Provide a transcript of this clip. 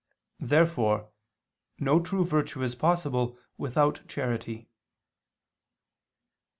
Therefore no true virtue is possible without charity.